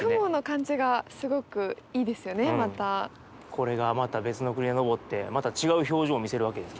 これがまた別の国で昇ってまた違う表情を見せるわけですから。